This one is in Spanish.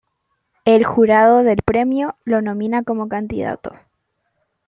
El jurado del Premio lo nomina como candidato.